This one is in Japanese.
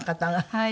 はい。